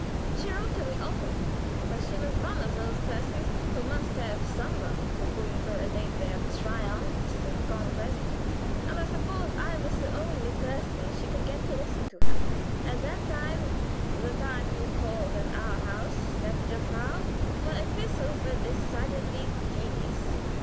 She wrote to me often, for she was one of the persons who must have some one to whom to relate their 'triumphs' and conquests, and I suppose I was the only person she could get to listen to her. "At that time the time you called at our house, gnädige Frau her epistles were decidedly tedious.